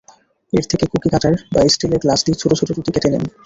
এর থেকে cookie cutter বা স্টিলের গ্লাস দিয়ে ছোটো ছোটো রুটি কেটে নিন।